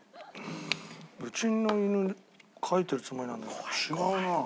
うちの犬描いてるつもりなんだけど違うなあ。